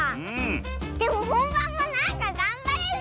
でもほんばんもなんかがんばれそう！